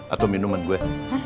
atau minuman gue